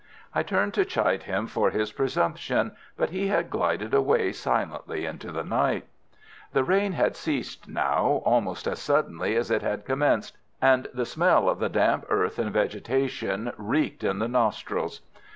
I turned to chide him for his presumption, but he had glided away silently into the night. The rain had ceased now almost as suddenly as it had commenced, and the smell of the damp earth and vegetation reeked in the nostrils.